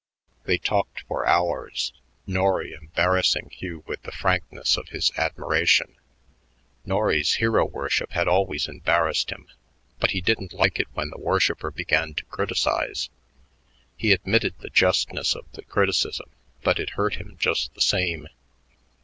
They talked for hours, Norry embarrassing Hugh with the frankness of his admiration. Norry's hero worship had always embarrassed him, but he didn't like it when the worshiper began to criticize. He admitted the justness of the criticism, but it hurt him just the same.